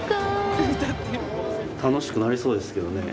楽しくなりそうですけどね。